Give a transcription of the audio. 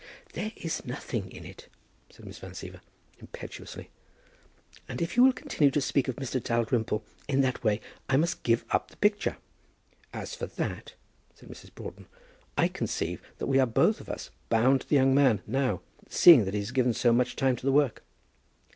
"There is nothing in it," said Miss Van Siever, impetuously; "and if you will continue to speak of Mr. Dalrymple in that way, I must give up the picture." "As for that," said Mrs. Broughton, "I conceive that we are both of us bound to the young man now, seeing that he has given so much time to the work."